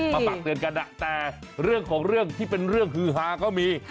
มาฝากเตือนกันแต่เรื่องของเรื่องที่เป็นเรื่องฮือฮาก็มี